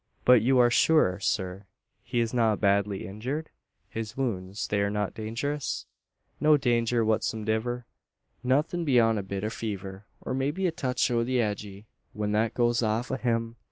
"But you are sure, sir, he is not badly injured? His wounds they are not dangerous?" "No danger whatsomediver. Nuthin' beyont a bit o' a fever, or maybe a touch o' the agey, when that goes off o' him.